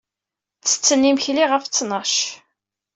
Ttetten imekli ɣef ttnac.